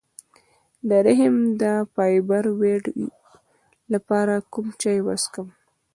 د رحم د فایبرویډ لپاره کوم چای وڅښم؟